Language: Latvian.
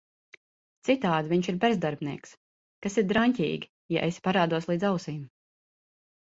Citādi viņš ir bezdarbnieks - kas ir draņķīgi, ja esi parādos līdz ausīm…